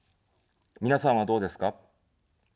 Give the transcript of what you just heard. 皆さんは、どうですか。